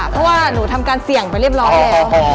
เพราะว่าหนูทำการเสี่ยงไปเรียบร้อยแล้ว